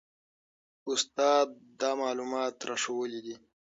استاد دا معلومات راښوولي دي.